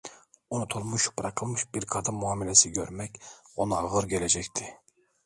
Unutulmuş, bırakılmış bir kadın muamelesi görmek ona ağır gelecekti.